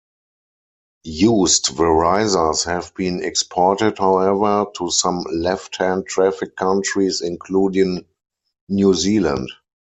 Used Verisas have been exported however, to some left-hand-traffic countries including New Zealand.